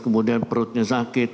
kemudian perutnya sakit